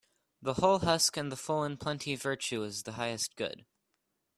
The hull husk and the full in plenty Virtue is the highest good